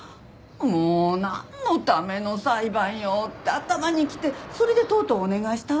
もうなんのための裁判よ！って頭にきてそれでとうとうお願いしたわけ。